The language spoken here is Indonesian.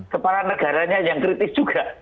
kepala negaranya yang kritis juga